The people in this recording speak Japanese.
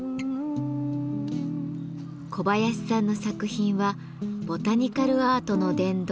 小林さんの作品はボタニカルアートの殿堂